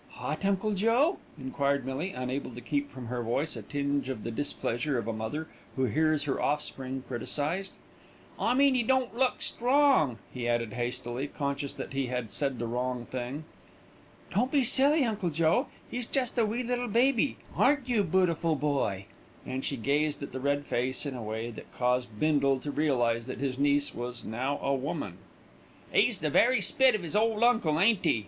"Hot, Uncle Joe?" enquired Millie, unable to keep from her voice a tinge of the displeasure of a mother who hears her offspring criticised. "I mean 'e don't look strong," he added hastily, conscious that he had said the wrong thing. "Don't be silly, Uncle Joe, he's just a wee little baby, aren't you, bootiful boy?" and she gazed at the red face in a way that caused Bindle to realise that his niece was now a woman. "'E's the very spit of 'is old uncle, ain't 'e?"